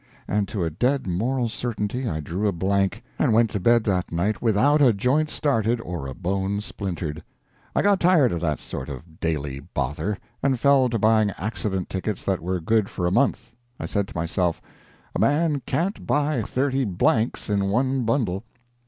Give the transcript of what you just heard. And to a dead moral certainty I drew a blank, and went to bed that night without a joint started or a bone splintered. I got tired of that sort of daily bother, and fell to buying accident tickets that were good for a month. I said to myself, "A man can't buy thirty blanks in one bundle."